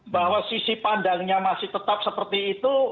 bahwa sisi pandangnya masih tetap seperti itu